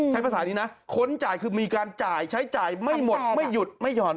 ใช้ภาษานี้นะค้นจ่ายคือมีการจ่ายใช้จ่ายไม่หมดไม่หยุดไม่ห่อน